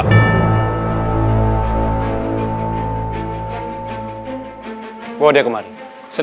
tiadajud website apa yang kami heran